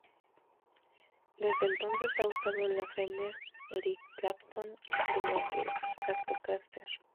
Desde entonces ha usado la Fender Eric Clapton Signature Stratocaster.